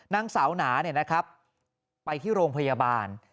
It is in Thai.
นางสาวหนาไปที่โรงพยาบาล